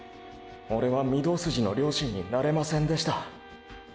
オレは御堂筋の良心になれませんでした。